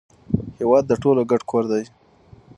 هیواد د ټولو ګډ کور دی.